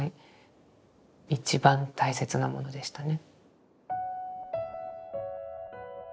一番大切なものでしたね。